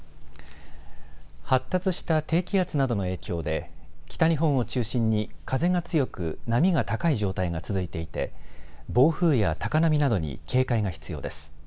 発達した低気圧などの影響で北日本を中心に風が強く波が高い状態が続いていて暴風や高波などに警戒が必要です。